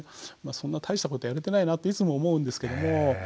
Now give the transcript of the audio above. そんな大したことやれてないなっていつも思うんですけども。